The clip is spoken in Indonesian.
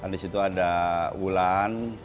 disitu ada ulan